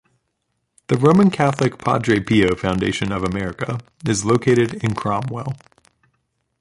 The Roman Catholic Padre Pio Foundation of America is located in Cromwell.